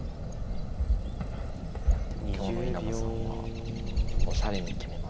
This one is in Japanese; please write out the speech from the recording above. いやでも今日の稲葉さんはおしゃれに決めますからね。